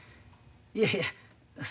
いやいやそ